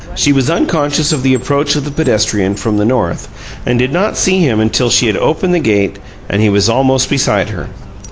She was unconscious of the approach of the pedestrian from the north, and did not see him until she had opened the gate and he was almost beside her.